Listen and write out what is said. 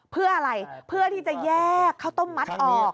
เพื่ออะไรเพื่อที่จะแยกข้าวต้มมัดออก